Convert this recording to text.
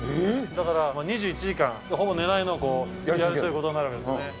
だから、２１時間、ほぼ寝ないでやるということになるんですよね。